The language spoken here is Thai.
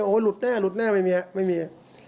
โอ้โหหลุดแน่ไม่มี